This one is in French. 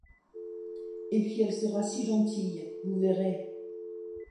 Et puis elle sera si gentille, vous verrez !